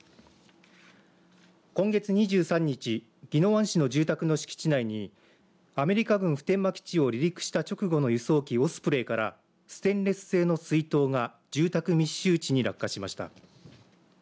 今月２３日宜野湾市の住宅の敷地内にアメリカ軍普天間基地を離陸した直後の輸送機オスプレイからステンレス製の水筒が住宅密集地に落下しました。